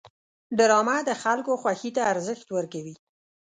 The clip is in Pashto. ډرامه د خلکو خوښې ته ارزښت ورکوي